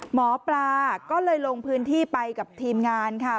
หมอปลาก็เลยลงพื้นที่ไปกับทีมงานค่ะ